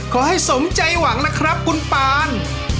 ขอให้สมใจหวังนะครับคุณปาน